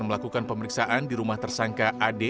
melakukan pemeriksaan di rumah tersangka ad